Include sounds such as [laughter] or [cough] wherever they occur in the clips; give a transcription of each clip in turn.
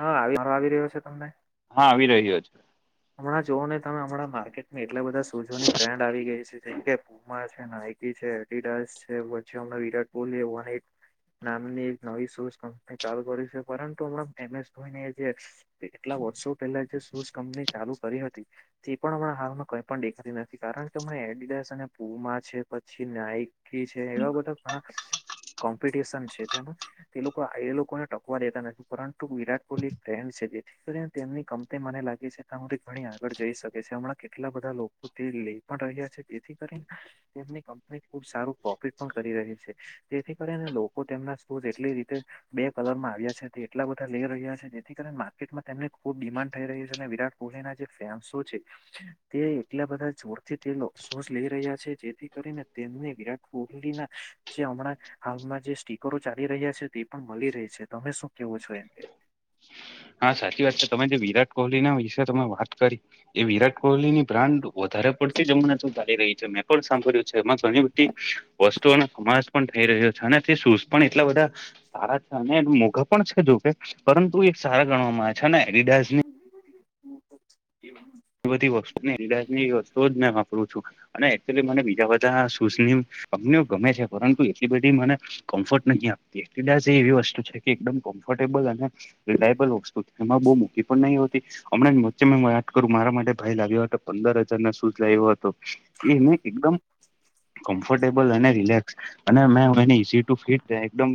હા આવી માર આવી રહ્યો છે તમને. હા આવી રહ્યો છે. હમણાં જોવ ને તમે હમણાં માર્કેટમાં એટલા બધા સૂઝોની બ્રાન્ડ આવી ગઈ છે જેમકે પુમા છે નાઇક. કી છે, એડિડાસ છે, પછી આ વિરાટ કોહલીએ વાઈટ. નામની એક નવી શૂઝ કંપની ચાલુ કરી છે, પરંતુ હમણાં એમ એસ ધોઈ જે. એટલા વર્ષો પહેલા જે શૂઝ કંપની ચાલુ કરી હતી. તે પણ હમણાં હાલમાં કઈ પણ દેખાતી નથી કારણ કે હણા એડિડસ અને પૂમા છે પછી ના્યાયિક. છે એવા બધા ઘણા કોમ્પિટશન છે જેમાં. તે લોકો એ લોકોને ટકવા દેતા નથી પરંતુ વિરાટ કોહલી એક ટ્રેન્ડ છે જેથી કરીને તેમની કંમની મને લાગે છે. ઘણી આગળ જઈ શકે છે હમણાં કેટલા બધા લોકો તે લઈ પણ રહ્યા છે જેથી કરીને તેમની કંપની ખુબ સારું પ્રોફિટ પણ કરી રહી છે તેથી કરીને લોકો તેમના સૂઝ એટલી રીતે બે કલરમાં આવ્યા છે તે એટલા બધા લઈ રહ્યા છે જેથી કરીને માર્કેટમાં તેમની ખુબ ડિમાન્ડ થઈ રહ્ર્યું છે અને વિરાટ પૂને ના જે ફેન્ શો છે. તે એટલા બધા જોરથી તેસોસ [unintelligible] લઈ રહ્યા છે જેથી કરીને તેમને વિરાટ કોહલીના જે હમણાં હાલમાં જે સ્ટીકરો ચાલી રહ્યા છે તે પણ મળી રહી છે તમે શું કેવો છો એમન હા સાચી વાત છે, તમે જે વિરાટ કોહલી ના વિશે તમે વાત કરી. એ વિરાટ કોહલી ની બ્રાન્ડ વધારે પડતી જમુના જાલી રહી છે મેં પણ સાંભળ્યું છે એમાં ઘણી બધી વસ્તુઓનો સમાસ પણ થઈ રહ્યો છે અને તે શૂઝ પણ એટલા બધા સારા છે અને એ મોઘા પણ છે, જોકે પરંતુ એક સારા ગણવામાં આવે છે અને એડીડાઝ ની એ બધી વસ્તુની એડિડાસ ની વસ્તુ જ મેં વાપરું છું. અને એકચુઅલી મને બીજા બધા શૂઝની કંપનીઓ ગમે છે પરંતુ એટલી બધી મને કમ્ફર્ટ નથી આપતી એડિડાસએ એવી વસ્તુ છે કે એકદમ કમ્ફર્ટ ટેબલ અને રિલાયેબલ વસ્તુ છે એમાં બહુ મોંધી પર નહી હોતી હમંણા વચ્ચે હું વાત કરું મારા માટે ભાઈ લાવ્યો હતો પંદર હજાર ના શૂઝ લાવ્યો હતો એને એકદમ કમફર્ટેબલ અને રિલેક્સ અને મે ઇઝી ટુ ફિટ થાય એકદમ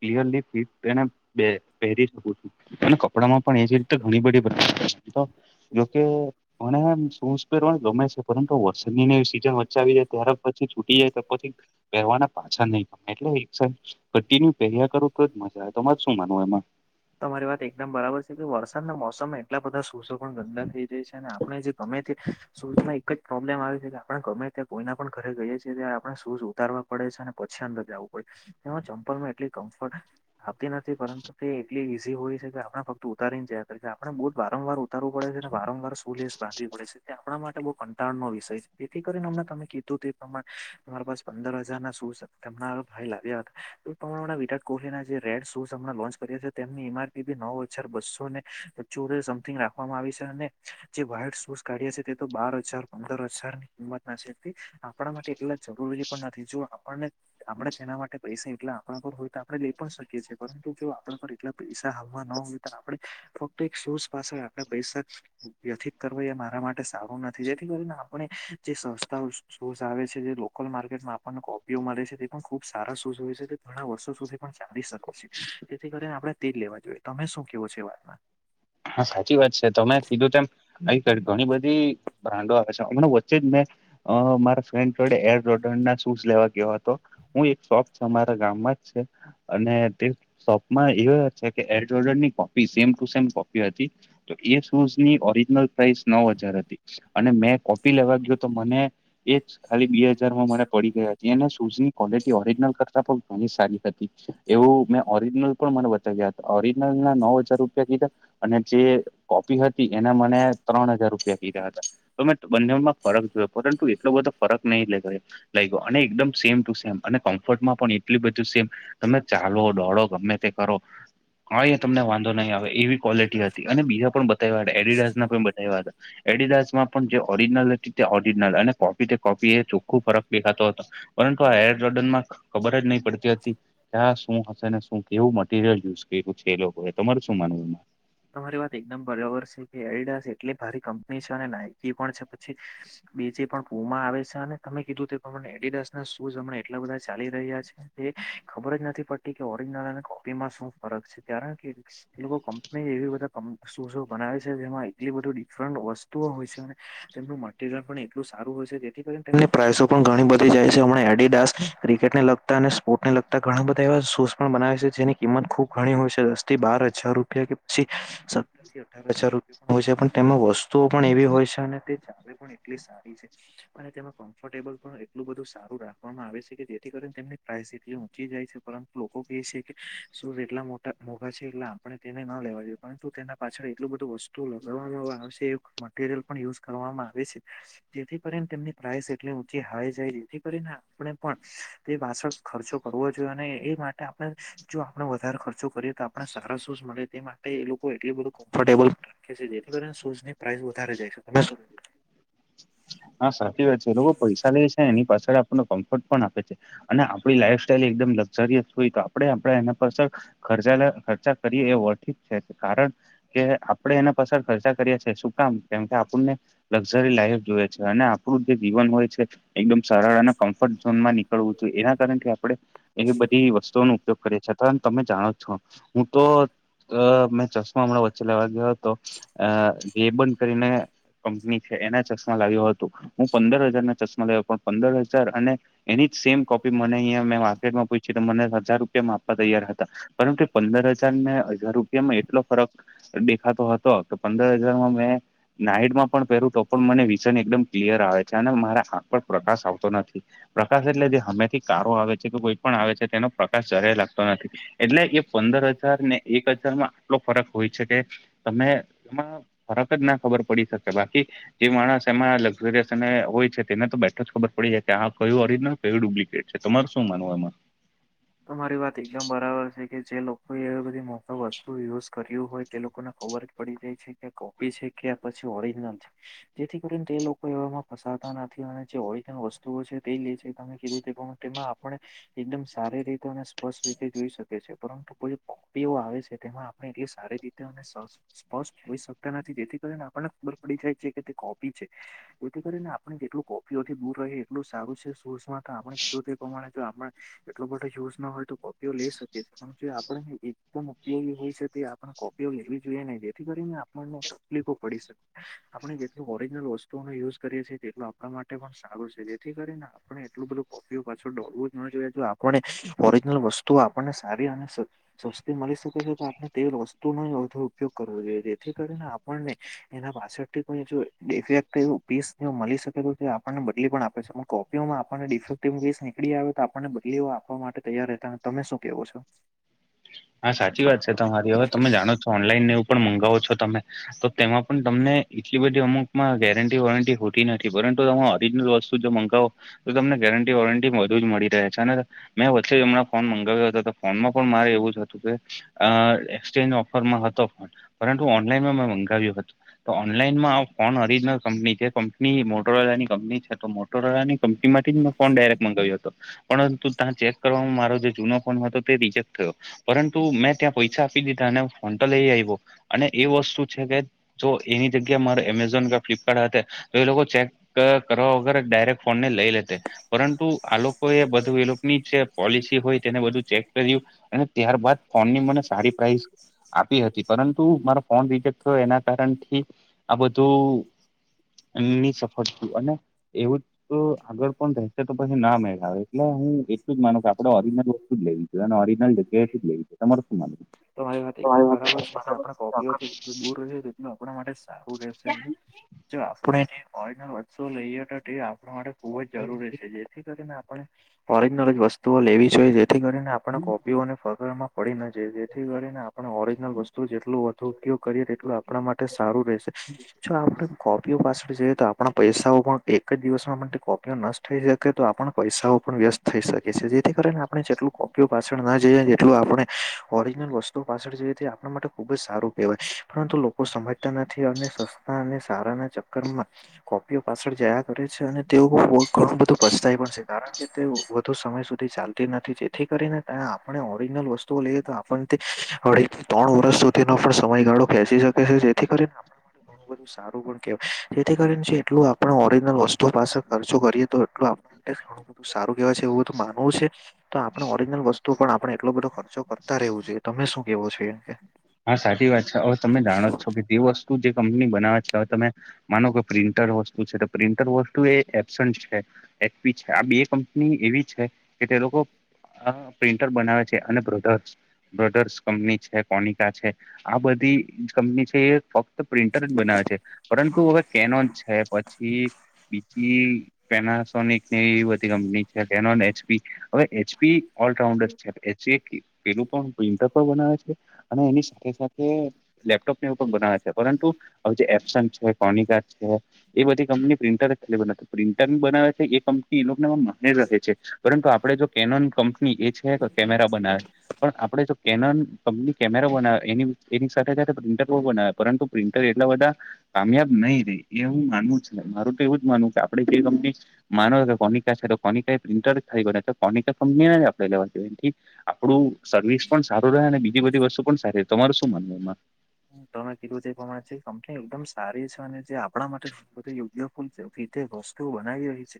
ક્લિયરલી ફિટ એને બે પહેરી શકું છું. અને કપડામાં પણ એજ રીતે ઘણી બધી [inaudible] જોકે મને સૂઝ પહેરવા ગમે છે પરંતુ વરસદનીની સીઝન વચ્ચે આવી જાય ત્યારે પછી છૂટી જાય તો પછી પહેરવાના પાછા નહી ગમે એટલે એક ઈચ્છા કન્ટિન્યુ પહેર્યા કરો તો જ મજા આવે તમારે શું માન એમાં તમારી વાત એક એકદમ બરાબર છે કે વરસાદના મોસમમાં એટલા બધા સુસો પણ ગંદા થઈ જાય છે અને આપણે જે ગમે તે શૂઝમાં એક જ પ્રોબ્લેમ આવે છે કે આપણે ગમે ત્યા કોઈના પણ ઘરે ગઈએ છીએ ત્યારે આપણે સૂઝ ઉતારવા પડે છે અને પછી અંદર જવું પડે એમાં ચમ્પલમાં એટલી કમ્ફર્ટ આપતી નથી પરંતુ તે એટલી ઈઝી હોય છે કે આપ ફક્ત ઉતારીને જયા, આપણે બુટ વારવાર ઉતારવું પડે છે અને વારંવાર શું લેસ બાંધવી પડે છે. આપણા માટે બઉ કંટાળનો વિષય છે જેથી કરીને અમણા તમે કીધું તે એ પ્રમાણે તમારા પાસે પંદર હજાર ના શુંઝ છે. તેમના ભાઈ લાવ્યા હતા, એ પ્રમાણે વિરાટ કોહલીના જે રેડ શૂઝમણા લોન્ચ કર્યા છે તેમની ઈમાઆરપી બી નવ હો હજાર બસો ને સમથિગ રાખવામાં આવી છે અને જે વાઇડ શુઝ કાઢયા છે. તે તો બાર હજાર પંદર હજારની કિંમત ના છેથી આપણા માટે એટલા જરૂરી પણ નથી જો આપણને આપણે જેના માટે પૈસા એટલે આપણા ઘર હોય તો આપડણે લઈ પણ શકીએ છીએ પરંતુ જો આપણા ઘર એટલા પૈસા આલવા ન હોય તો આપણે ફક્ત એક સોઝ પાછળ આટલા પૈસા વ્યથિત કરવો એ મારા માટે સારું નથી જેથી કરીને આપણે જે સંસ્થાઓ શોઝ આવે છે જે લોકલ માર્કેટમાં આપણને કોપીઓ મળે છે તે પણ ખૂબ સારા શુંઝ હોય છે તે ઘણા વર્ષો સુધી પણ ચાલી શકો છ તેથી કરીને આપણેે તે લેવા જોઈએ તમે શું કેવો છે વાતમાં હા, સાચી વાત છે તમે કીધું તેમ ઘણી બધી બ્રાન્ડો આવે છે હમણા વચ્ચે જ મેં અ મારા ફ્રેન્ડ જોડે એરદોડર ના શૂઝ લેવા ગયો હતો, હું એક શોપ છે, અમારા ગામમાં જ છે અને તે શોપમાં એ છે કે એ ઓડજોડર ની copy same to same copy [unintelligible] તો એ શૂઝની ઓરિજિનલ પ્રાઇસ નવ હજાર હતી અને મેં કોપી લેવા ગયો તો મને એ જ ખાલી બે હજારમાં મને પડી ગયા હતી એને સુઝની ક્વોલિટી ઓરિજનલ કરતા પણ ઘણી સારી હતી એવું મેં ઓરિજનલ પણ મને બતાવ્યા હતા, ઓરિજિનલ ના નવ હજાર રૂપિયા કીધા જે કોપી હતી એને મને ત્રણ હજાર રૂપિયા કીધા હતા તો મેં બંનેમાં ફરક જોયો પરંતુ એટલો બધો ફરક નહીં લે ગયો લઈ ગયો અને એકદમ સેમ ટુ સેમ અને કમ્ફર્ટમાં પણ એટલ બધું સેમ તમે ચાલો દોડો ગમે તે કરો કઈ તમને વાંધો નહીં આવે એવી ક્વોલિટી હતી અને બીજા પણ બતાવ્યા હતા એડિડા ના પણ બતાવ્યા હતા એડિડાશ માં પણ જે ઓરિજનલ હતી તે ઓરિજનલ અને કોપી કોપી એ ચોખ્ખો ફરક દેખાતો હતો પરંતુ આ હેર જોર્ડન માં ખબર જ નહી પડતીથી ક્યાં શું હશે ને શું કેવું મટીરિયલ યુઝ કર્યું છે એ લોકો એ તમારું શું માનવું તમારી વાત એકદમ બરોબર છે કે એરડાસ એટલી ભારી કંપની છે અને નાયકી પણ છે, પછી બે જે પણ પૂમાં આવે છે અને તમે કીધું એડિડાસ ના શૂઝમણા એટલા બધા ચાલી રહ્યા છે, ખબર જ નથી પડતી કે ઓરજનલ ખુબીમાં શું ફરક છે, કારણ કે મે એવી બધા સુઝો બનાવે છે, જેમાં એટલી બધી ડિફરન્ટ વસ્તુઓ હોય છે તેમનું મટીરિયલ પણ એટલું સારું હોય છે કે પ્રઇસો પણ ઘણી બધી જાય છે, હમણા એડીડાસ ક્રિકેટને લગતા અને સ્પોર્ટને લગ ઘણા બધા એવા સોસ પણ બનાવે છે, જેની કિંમત ખુબ ઘણી હોય છે દસથી બાર હજાર રૂપિયા [unintelligible] વસ્તુઓ પણ એવી હોય છે અને તે [inaudible] અને તેમાં કમ્ફર્ટેબલ પણ એટલું બધું સારું રાખવામાં આવે છે કે, જેથી કરીને તેમની પ્રાઇસ એટલી ઊંચી જાય છે પરંતુ લોકો કે છે કે શર એટલા મોટા મોઘા છે એટલે આપણે તેને લે જોઈએ પરંતુ તેના પાછળ એટલું બધું વસ્તુ લગાડવામાં આવે મટીરિયલ પણ યુઝ કરવામાં આવે છે જેથી કરીને તેમની પ્રઇસ એટલી ઊચી હાઈ જાય જેથી કરીને આપણે પણ તે બાસળ ખર્ચો કરવો જોઈએ અને એ માટે આપણે જો આપણે વધારે ખર્ચો કરીએ તો આપણે સરસો જ મળે તે માટે એ લોકો એટલી બધું કમ્ફર્ટેબલ રાખે છે જેથી કરીને શૂઝ ની પ્રાઇસ વધારે જાય છે, તમે શ હા, સાચી વાત છે લોકો પૈસા લે છે એની પાછળ આપણને કમ્ફર્ટ પણ આપે છે અને આપણી લાઈફ સ્ટાઈલ એકદમ લક્ઝરીયસ હોય તો આપડે આપ એના પર સર ખર્ચા ખર્ચા કરીએ એ વર્ખિત છે કારણ કે આપડણે એના પસાર ખર્ચા કરીએ છેએ શું કામ કેમ કે આપણને લાઈફ જોએ છે, અને આપણું જે જીવન હોય છે એકદમ સરળ અને કમ્ફર્ટ ઝોનમાં નીકળવું છે, એના કારણ કે આપડણે એ બધી વસ્તુઓનો ઉપયોગ કરી છે, તમે જાણો છો હું તો અ મેં ચશ્મા હમણાં વચ્ચે લેવા ગયો હતો અ ગે બંધ કરીને કંપની એના ચશ્મા લાવ્યું હતો હું પંદર હજાર ના ચશ્મા લાવ્યો પણ પંદર હજાર અને એની જ સેમ કોપી મને અ મેં માર્કેટમાં પૂછી મને હજાર રૂપિયા મા આપવા તૈયાર હતા પરંત કે પંદર હજાર ને હજારો એટલો ફરક દેખાતો હતો કે પંદર હજારમાં મે નાડમાં પણ પહેરું તો પણ મને વિઝન એકદમ ક્લિયર આવે છે અને મારા હાક પર પ્રકાશ આવતો નથી પ્રકાશ એટલે જે હમેથી કો આવે છે, કે કોઈ પણ આવે છે તેનો પ્રકાશ જ્યારેય લાગતો નથી, એટલે એ પંદર હજાર ને એક હજાર માં એટલો ફરક હોય છે, કે તમે એમાં ફરક જ ના ખબર પડી શકે બાકી જે માણસ એમાં લક્ઝરયસ અને હોય છે તેને તો બેઠો જ ખબર પડી જાય ત્યાં કયું ઓરજનલ કયું ડુપ્લિકેટ છે તમારે શું માનવું એમાં તમારી વાત એકદમ બરાબર છે, કે જે લોકો એવી બધી મોટી વસ્તુ યુઝ કર્યું હોય તે લોકોને ખબર જ પડી જાય છે કે કોપી છે કે, પછી ઓરિજનલ છે. જેથી કરીને તે લોકો એવામાં ફસાતા નથી અને જે ઓરિજન વસ્તુઓ છે. તે લે છે કારણ કે તે પણ તેમાં આપણે એકદમ સારી રીતે અને સ્પષ્ટ રીતે જોઈ શકે છે, પરંતુ બધી કોપીઓ આવે છે તેમાં એ સારી રીતે ને સવસ સ્પષ્ટ હોઈ શકતા નથી જેથી કરીને આપણને ખબર પડી જાય છે કે તે કોપી છે. એથી કરીને આપણે જેટલું કોપી ઓથી દુર રહે એટલું શુસ માં આપણ ને કીધું તે પ્રમાણે જો આપણો એટલો બધો યુઝ ન હોય તો લે શકીએ પણ જો આપણે એકદમ ઉપયોગી હોય છે તે આપણે કોપીઓ લેવી જોઈએ ને જે જેથી કરીને આપણને તકલીફો પડી શકે. આપણે જેટલુ ઓરિજનલ વસ્તુઓનો યુઝ કરીએે છીએ તેટલુ આપણા માટે પણ સારું છે, જેથી કરીને આપણે એટલું બધું ઉપયોગ પાછળ દોડવું જ ન જોઈએ, આપણે ઓરિજનલ વસ્તુઓ આપણને સારી અને સ સસ્તી મળી શકે છે, તો આપણે તે વસ્તુનો વધુ ઉપયોગ કરવો જોઈએ, જેથી કરીને આપણને એના પાછળથી કોઈ જો ડીફેકટીવ પીસ મળી શકે તો આપણને બદલી પણ આપે છે હું કો [unintelligible] ડિફેક્ટીવ પીસ નીકળી આવે તો આપણને બદલીઓ આપવા માટે તૈયાર હતા. તા તમે શું કેવો છો? [inaudible] હા સાચી વાત છે, તમારી હવે તમે જાણો છો, ઓનલાઈન ને એવું પણ મંગાવો છો તમે તો તેમાં પણ તમને એટલી બધી અમુકમાં ગેરંટી વોરંટી હોતી નથી પરંતુ તમે ઓરિજનલ વસ્તુ જો મંગાવો તો તમને ગેરંટી વોરંટી બધુ જ મળી રહે છે અને મેં વચ્ચે હમણાં ફોન મંગાવ્યો હતો તો ફોનમાં પણ મારે એવું જ હતું. કે અ એક્સચેન્જ ઓફરમાં હતો ફોન પરંતુ ઓનલાઈનમાં મેં મંગાવ્યું હતું. તો ઓનલાઈનમાં ફોન ઓરિજનલ કંપની છે, કંપની મોટોરોલાની કંપની છે. તો મો મોટોરોલા ની કંપનીમાંથી જ મે ફોન ડાયરેક્ટ મંગાવ્યો હતો. પરંતુ ત્યાં ચેક કરવામાં મારો જે જૂનો ફોન હતો તે રિજેક્ટ થયો. પરંતુ મેં ત્યાં પૈસા આપી દીધા અને ફોન તો લઈ આવ્યો અને એ વસ્તુ છે કે જો એની જગ્યા મારે અમેઝોન કે ફ્લિપકાર્ટ હતે તો એ લોકો ચેક કરવા વગર ડાયરેક્ટ ફોનને લઈ લેતે. પરંતુ આ લોકો એ બધું એ લોકોની જે પોલિસી હોય તેને બધું ચેક કર્યું અને ત્યારબાદ ફોનની મને સારી પ્રાઇસ આપી હતી, પરંતુ મારો ફોન રીઝેક તો એના કારણથી આ બધું એમની સફળ થયું અને એવું જ તો આગળ પણ રહેશે તો પછી ના મેળ આવે, એટલે હું એટલું જ માનું કે આપડે ઓરિજનલ શું કેવું ઓરિજનલ [unintelligible] તમારુ શું માનવું? તમારી વાત એકદમ બરાબર છે, કે આપણા કોપીઓથી જેટલું દૂર રહે તો એટલું આપણા માટે સારું રહેશે. [inaudible] જો આપણે ઓરિજનલ વસ્તુ ઓ લઈએ તો તે આપણા માટે ખુબ જ જરૂરી છે, જેથી કરીને આપણે ઓરિજલ વસ્તુઓ લેવી જોઈએ, જેથી કરીને આપણે કોપીઓને ફગરમાં પડી ના જએ. જે થી કરીને આપણે ઓરિજનલ વસ્તુ જેટલું વધુ ઉપયોગ કર્યે એટલું આપણા માટે સારું રહેશે જો આપણે કોપી પાછળ જઈએ તો આપણા પૈસાઓ પણ એક જ દિવસમાં કોપીઓ નષ્ટ થઈ શકે તો આપણ પૈસાઓ પણ વ્યસ્ત થઈ શકે છે, જેથી કારણે આપણે જેટલું કોપીઓ પાછળ ના જઈએ જેટલું આપણે ઓરિજિનલ વસ્તુઓ પાછળ જઈએ તે આપણા માટે ખુબ જ સારું કહેવાય, પરંતુ લો લોકો સમજતા નથી અને સસ્તા અને સારા ના ચક્કર માં કોપીઓ પાછળ જયા કરે છે અને તેઓ ઘણું બધું પસ્તાય પણ છે કારણ કે તે વધુ સમય સુધી ચાલતુ નથી જેથી કરીને આપણે ઓરિજનલ વસ્તુઓ લઈએ તો, પણ તે અઢી ત્રણ વર્ષ સુધીનો પણ સમયગાળો ખેચી શકે છે, જેથી કરીને [inaudible] સારું પણ કેવાય જેથી કરીને જેટલું આપણે ઓરિજનલ વસ્તુ પાસે ખર્ચો કરીએ તો એટલો આપ એક સારું કેવાય છે, એવું માનવું છે તો આપણે ઓરિજિનલ વસ્તુ પણ આપડે એટલો બધો ખર્ચો. ખર્ચતા રહેવું જોઈએ તમે શું કેવો છો એમ કે? હા સાચી વાત છે, હવે તમે જાણો છો, કે જે વસ્તુ જે કંપની બનાવે છે, હવે તમે માનો કે પ્રિન્ટર વસ્તુ છે, પ્રિન્ટર વસ્તુ એ છે. એચપી છે, આ બે કંપની એવી છે, કે તે લોકો- અ પ્રિન્ટર બનાવે છે, અને બ્રધર્સ બ્રધર્સ કંપની છે. કોનીક છે, આ બધી કંપની છે. પોપુ તો પ્રિન્ટર જ બનાવે છે, પરંતુ હવે કેનોન છે પછી બીજી પેનાસોનિક ની એ બધી કંપની છે, કેનોન એચપી હવે એપી ઓલરાઉન્ડ છે, એ પેલું પણ પ્રિન્ટર બનાવે છે. અને એની સાથે સાથે લેપટોપ ને એવું પણ બનાવે છે, પરંતુ હવે જે એપ સેમસંગ છે, એ બધી કંપની પ્રિન્ટર પ્રિન્ટર બનાવે છે. એ લોકોનેમાં મને રહે છે પરંતુ આપડે જો કેનોન કંપની એ છે કે કેમેરા બનાવે પણ આપડે જો કેનન કપની કેમેરા બનાવે એ એની સાથે સાથે પ્રિન્ટર પણ બનાવ્યા પરંતુ પ્રિન્ટર એટલા બધા કામયાબ નહી રે એ હું માનવું છે ને મારું તો એવું જ માનવું કે આપણેે જે કંપની [unintelligible] કોનિક કંપની આપડે લેવા દેવા નથી. આપડું સર્વિસ પણ સારું રહે અને બીજી બધી વસ્તુ પણ સારી તમાર શું માનવ એમાં હ તમે કીધું જે તે પ્રમાણે છે. એકદમ સારી છે અને જે આપણા માટે બધુ યોગ્ય પૂલ રીતે વસ્તુ બનાવી રહી છે.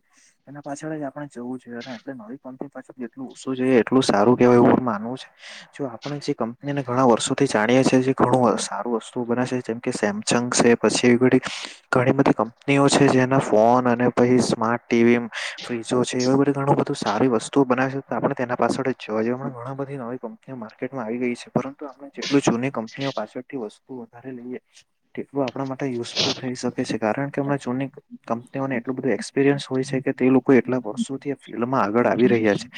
એના પાછળ જ આપડણે જવું જોઈ. આપડે નવી કંપની પાછળ જેટલું ઓછુ જોઈએ એટલું સારું કેવાય એવું માનવું છે. જો આપણે જે કંપનીને ઘણા વર્ષોથી જાણીયા છ ઘણું સારું વસ્તુ બના છે જેમ કે સેમસંગ છે પછી એવી બધી ઘણી બધી કંપનીઓ છે જેના ફોન અને પછી સ્માર્ટ ટીવી ફ્રીજો છે. ઘણું બધું સારી વસ્તુઓ બનાવી આપણે તેના પાછળ જ જોવાઈએ પણ ઘણા બધી નવી કંપનીઓ માર્કેટમાં આવી ગઈ છે પરંતુ તો જેટલું જૂની કંપનીઓ પાછળથી વસ્તુ વધારે લઈએ તેટલું આપણા માટે યુઝફુલ થઈ શકે છે કારણ કે મે જૂની કંપનીઓને એટલું બધું એક્સપિરિયન્સ હોય છે કે તે લોકો એટલા વર્ષોથી ફિલ્ડમાં આગળ આવી રહ્યા છે.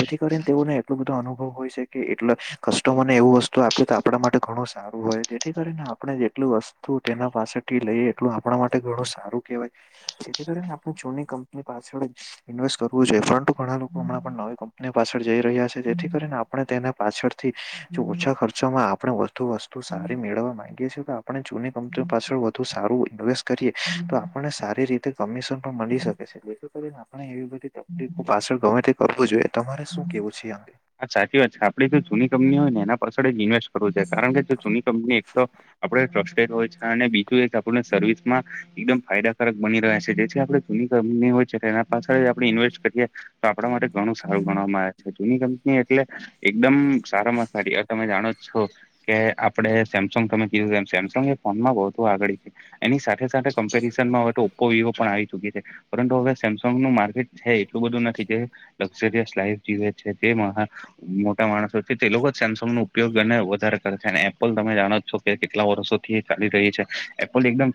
જેથી કરીને તેઓને એટલો બધો અનુભવ હોય શકે એટલે કસ્ટમર ને એવું વસ્તુ આપ્યું તો આપણા માટે ઘણું સા સારું હોય જેથી કરીને આપણે જેટલું વસ્તુ તેના પાસેથી લઈ એટલું આપણા માટે ઘણું સારું કેહેવાય જેથી કરીને આપ જૂની કંપની પાછળ ઇન્વેસ્ટ કરવું જોઈએ પરંતુ ઘણા લોકો હમણાં પણ નવી કંપનીઓ પાછળ જઈ રહ્યા છે. જેથી કરીને આપણે તેના પાછળથી જો ઓછા ખર્ચામાં આપણે વધુ તો સારી મેળવવા માંગીએ છીએ કે આપણે જૂની કંપની પાછળ વધુ સારું ઇન્વેસ્ટ કરીએ. તો આપણને સારી રીતે કમિશન પણ મળી શકે છે જેથી કરીને આપણે એવી બધી પાછળ ગમે તે કરવું જોઈએ તમારે શું કેવું છે તે અંગે? હા સાચી વાત છે, આપડે જો જૂની કંપની હોય એના પાસે જ ઇન્વેસ્ટ કારણ કે જૂની કંપની એક તો આપણે ટ્રસ્ટેડ હોય છે અને આપણ સર્વિસ માં એકદમ ફાયદાકારક બની રહ્યા છે જે આપણે જૂની કંપની હોય છે. તેના પાછળ આપ ઇન્વેસ્ટ કરીએ તો આપણા માટે ઘણું સા સારુ ગણવામાં આવે છે જૂની કંપની એટલે એકદમ સારા મ સાડી આ તમે જાણો જ છો કે આપડે સેમસંગ તમે કીધું સેમસંગ એ ફોનમાં બહ આગળ છે. એની સાથે સાથે કમ્પેરિઝનમાં હવે તો ઓપ્પો વિવો પણ આવી ચુકી છે પરંતુ હવે સે નુ માર્કેટ છે એટલું બધું નથી જે લક્ઝરયસ લ જીવે છે તે મોટા માણસો છે તે લોકો જ સેમસંગ નો ઉપયોગ અને વધારે એપલ તમે જાણો છો કે કેટલા વર્ષોથી ચાલી રહી છે એપલ એકદમ